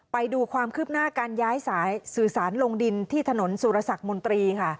ไปดูความคืบหน้าการย้ายสายสื่อสารลงดินที่ถนนสุรสักมนตรีค่ะ